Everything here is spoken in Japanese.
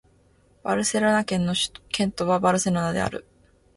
バルセロナ県の県都はバルセロナである